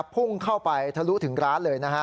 พุ่งเข้าไปถ้ารู้ถึงร้านเลย